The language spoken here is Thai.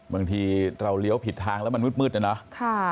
บางทีเราเลี้ยวผิดทางแล้วมันมืดนะเนาะ